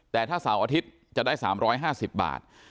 แต่ถ้าเสาร์อาทิตย์จะได้๓๕๐บาท